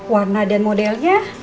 warna dan modelnya